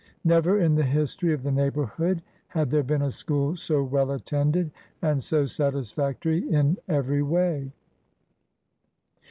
Never in the history of the neighborhood had there been a school so well attended and so satisfactory in every way.